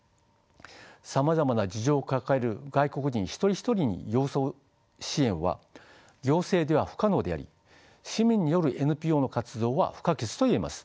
さまざまな事情を抱える外国人一人一人に寄り添う支援は行政では不可能であり市民によるＮＰＯの活動は不可欠と言えます。